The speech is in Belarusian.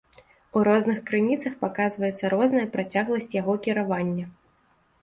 У розных крыніцах паказваецца розная працягласць яго кіравання.